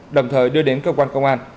đồng thời đưa đến cơ quan công an